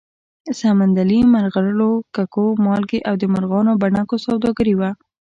سمندري مرغلرو، ککو، مالګې او د مرغانو بڼکو سوداګري وه